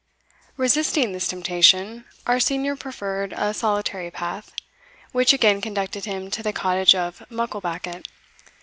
Resisting this temptation, our senior preferred a solitary path, which again conducted him to the cottage of Mucklebackit.